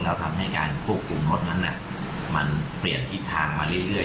แล้วทำให้การพูดกลุ่มรถนั้นน่ะมันเปลี่ยนทิศทางมาเรื่อยเรื่อย